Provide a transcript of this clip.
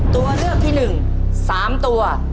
ตัวเลือกที่หนึ่ง๓ตัว